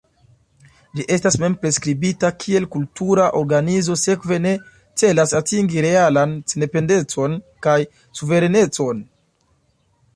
Ĝi estas mem-priskribita kiel kultura organizo, sekve ne celas atingi realan sendependecon kaj suverenecon.